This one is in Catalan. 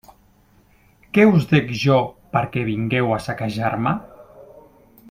Què us dec jo perquè vingueu a saquejar-me?